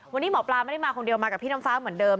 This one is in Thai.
วันนี้หมอปลาไม่ได้มาคนเดียวมากับพี่น้ำฟ้าเหมือนเดิม